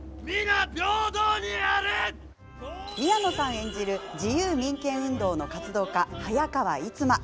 演じる自由民権運動の活動家、早川逸馬。